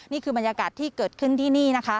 นี่คือบรรยากาศที่เกิดขึ้นที่นี่นะคะ